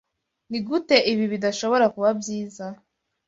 Nigute ibi bidashobora kuba byiza?